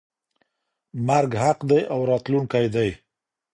مرګ حق دی او راتلونکی دی.